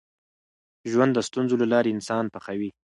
ژوند د ستونزو له لارې انسان پخوي.